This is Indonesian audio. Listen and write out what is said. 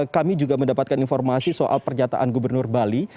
kami juga mendapatkan informasi soal pernyataan gubernur bali